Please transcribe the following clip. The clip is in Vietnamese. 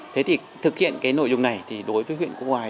thế thì thực hiện cái nội dung này thì đối với huyện quốc ngoài